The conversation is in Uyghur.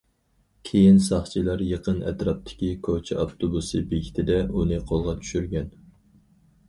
كېيىن ساقچىلار يېقىن ئەتراپتىكى كوچا ئاپتوبۇسى بېكىتىدە ئۇنى قولغا چۈشۈرگەن.